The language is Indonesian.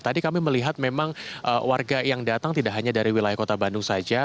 tadi kami melihat memang warga yang datang tidak hanya dari wilayah kota bandung saja